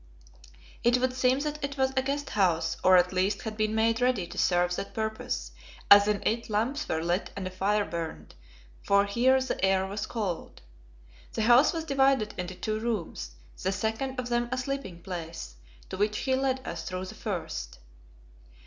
It would seem that it was a guest house, or at least had been made ready to serve that purpose, as in it lamps were lit and a fire burned, for here the air was cold. The house was divided into two rooms, the second of them a sleeping place, to which he led us through the first.